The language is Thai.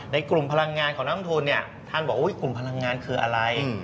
ในกลุ่มพลังงานของน้ำทุนท่านกูบอกว่าอุ๊ยกลุ่มพลังงานอะไร